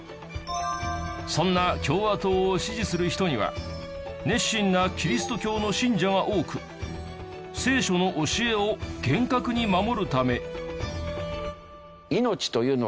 そんな共和党を支持する人には熱心なキリスト教の信者が多く聖書の教えを厳格に守るため。